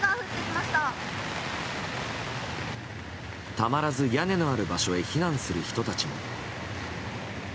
たまらず屋根のある場所へ避難する人たちも。